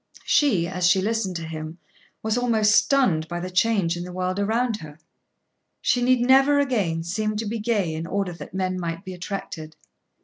She, as she listened to him, was almost stunned by the change in the world around her. She need never again seem to be gay in order that men might be attracted.